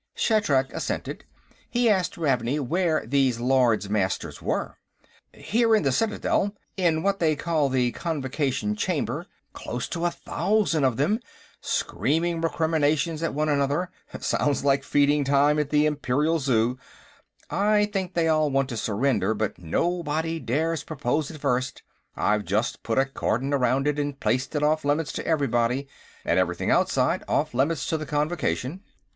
Shatrak assented. He asked Ravney where these Lords Master were. "Here in the Citadel, in what they call the Convocation Chamber. Close to a thousand of them, screaming recriminations at one another. Sounds like feeding time at the Imperial Zoo. I think they all want to surrender, but nobody dares propose it first. I've just put a cordon around it and placed it off limits to everybody. And everything outside off limits to the Convocation."